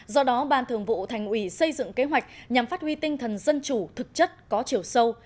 do đó ban thường vụ thành ủy xây dựng kế hoạch nhằm phát huy tinh thần dân chủ thực chất có chiều sâu